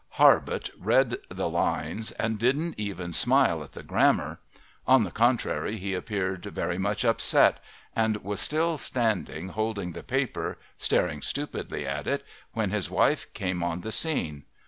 Harbutt read the lines and didn't even smile at the grammar; on the contrary, he appeared very much upset, and was still standing holding the paper, staring stupidly at it, when his wife came on the scene.